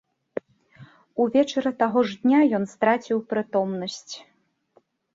Увечары таго ж дня ён страціў прытомнасць.